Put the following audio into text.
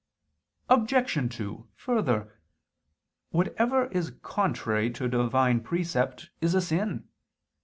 Obj. 2: Further, whatever is contrary to a Divine precept is a sin.